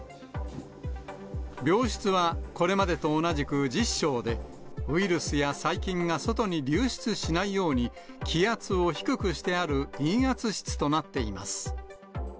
病室はこれまでと同じく１０床で、ウイルスや細菌が外に流出しないように、気圧を低くしてある陰圧室となっています。